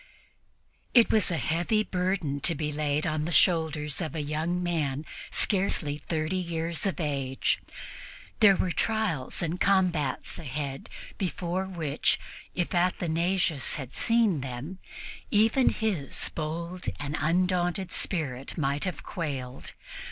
It was a heavy burden to be laid on the shoulders of a young man scarcely thirty years of age. There were trials and combats ahead before which, if Athanasius had seen them, even his bold and undaunted spirit might have quailed.